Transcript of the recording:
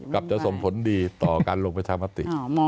จะส่งผลดีต่อการลงประชามติ